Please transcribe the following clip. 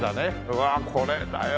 うわっこれだよ。